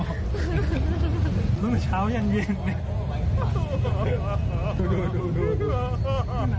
วันนี้เช้ายังเย็น